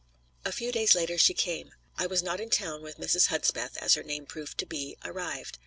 A few days later she came. I was not in town when Mrs. Hudspeth, as her name proved to be, arrived.